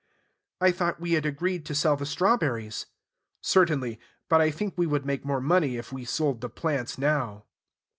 "I thought we had agreed to sell the strawberries." "Certainly. But I think we would make more money if we sold the plants now."